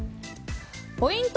ポイント